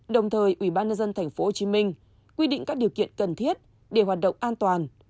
đồng thời ubnd tp hcm quy định các điều kiện cần thiết để hoạt động an toàn